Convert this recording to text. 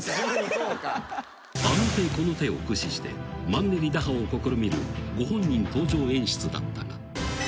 ［あの手この手を駆使してマンネリ打破を試みるご本人登場演出だったが］